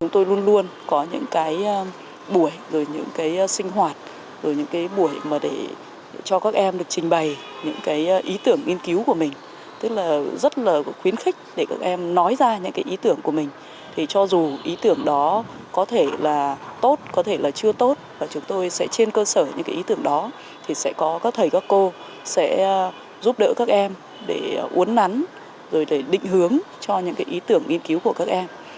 giúp đỡ các em để uốn nắn rồi để định hướng cho những ý tưởng nghiên cứu của các em